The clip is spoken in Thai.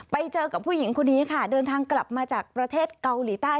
ไปเจอกับผู้หญิงคนนี้ค่ะเดินทางกลับมาจากประเทศเกาหลีใต้